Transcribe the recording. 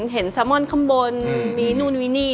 เห็นสะมอนข้างบนมีนู่นวินี่